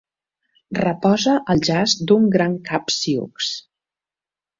Reposa al jaç d'un gran cap sioux.